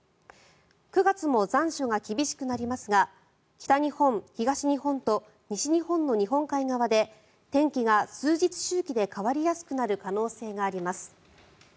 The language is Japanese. ９月も残暑が厳しくなりますが北日本、東日本と西日本の日本海側で天気が数日周期で変わりやすくなる可能性があります。